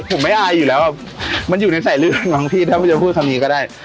ผมไม่อายอยู่แล้วอ่ะมันอยู่ในใส่เรื่องบางทีถ้าไม่จะพูดคำนี้ก็ได้